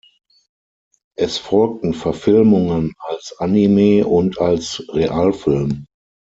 Es folgten Verfilmungen als Anime und als Realfilm.